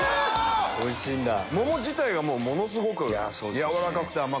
桃自体がものすごく柔らかくて甘くて。